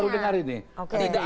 aku baru dengar ini